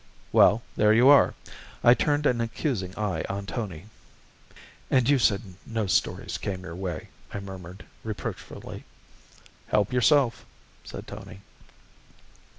Well, there you are. I turned an accusing eye on Tony. "And you said no stories came your way," I murmured, reproachfully. "Help yourself," said Tony.